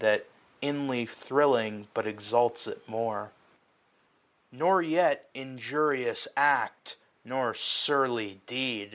That, inly thrilling, but exalts it more. Nor yet injurious act, nor surly deed.